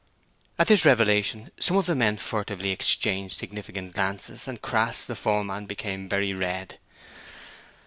At this revelation, some of the men furtively exchanged significant glances, and Crass, the foreman, became very red.